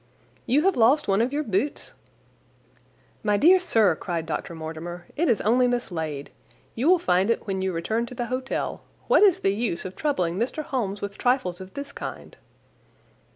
"You have lost one of your boots?" "My dear sir," cried Dr. Mortimer, "it is only mislaid. You will find it when you return to the hotel. What is the use of troubling Mr. Holmes with trifles of this kind?"